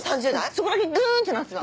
そこだけグンってなってた。